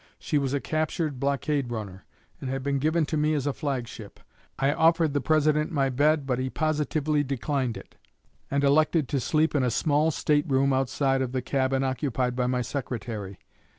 She was a captured blockade runner, and had been given to me as a flag ship. I offered the President my bed, but he positively declined it, and elected to sleep in a small state room outside of the cabin occupied by my secretary.